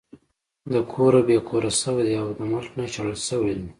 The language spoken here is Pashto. د کوره بې کوره شوے دے او ملک نه شړلے شوے دے